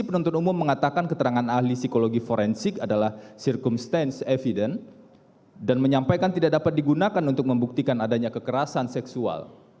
penuntut umum mengatakan keterangan ahli psikologi forensik adalah circumstance evidence dan menyampaikan tidak dapat digunakan untuk membuktikan adanya kekerasan seksual